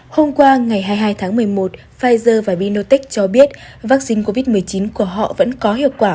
hôm qua ngày hai mươi hai tháng một mươi một pfizer và biontech cho biết vắc xin covid một mươi chín của họ vẫn có hiệu quả một trăm linh